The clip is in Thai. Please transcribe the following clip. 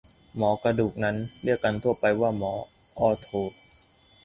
หมอกระดูกนั้น เรียกกันทั่วไปว่าหมอออร์โถ